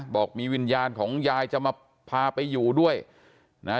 บอกมีวิญญาณของยายจะมาพาไปอยู่ด้วยนะฮะ